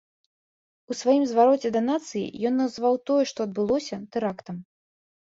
У сваім звароце да нацыі ён назваў тое, што адбылося тэрактам.